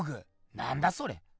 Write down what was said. なんだそれ。